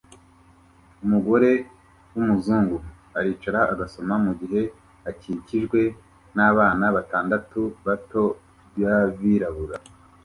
Umugore wumuzungu aricara agasoma mugihe akikijwe nabana batandatu bato b'abirabura